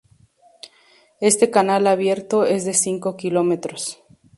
Este canal abierto es de cinco kilómetros.